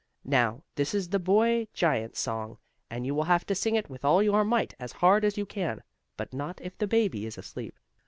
Now, this is the boy giant's song, and you will have to sing it with all your might, as hard as you can, but not if the baby is asleep.